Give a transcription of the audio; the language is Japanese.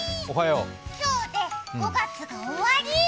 今日で５月が終わり。